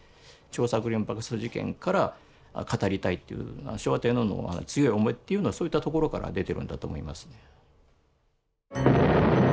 張作霖爆殺事件から語りたいという昭和天皇の強い思いというのはそういったところから出てるんだと思います。